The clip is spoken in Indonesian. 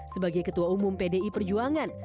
sebagai ketua umum pdi perjuangan